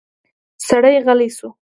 سړی غلی شو.